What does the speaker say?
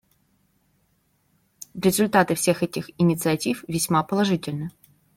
Результаты всех этих инициатив весьма положительны.